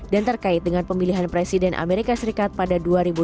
dan terkait dengan pemilihan presiden amerika serikat pada dua ribu dua puluh empat